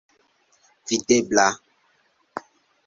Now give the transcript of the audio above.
videbla